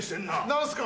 何すか？